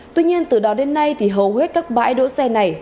tuy nhiên từ đó đến nay thì hầu hết các bãi đỗ xe này